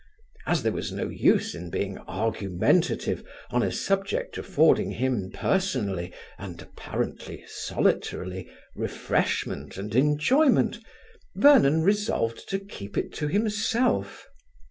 As there was no use in being argumentative on a subject affording him personally, and apparently solitarily, refreshment and enjoyment, Vernon resolved to keep it to himself.